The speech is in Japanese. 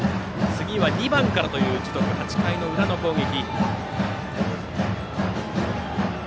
次は２番からという樹徳の８回裏の攻撃。